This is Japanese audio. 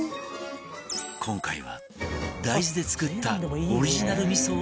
今回は大豆で作ったオリジナル味噌を使うという